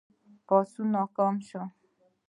پاڅون ناکام شو.